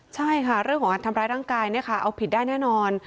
ใช่ค่ะเรื่องของการทำร้ายร่างกายเนี่ยค่ะเอาผิดได้แน่นอน